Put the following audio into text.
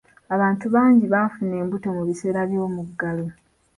Abantu bangi baafuna embuto mu biseera by'omuggalo.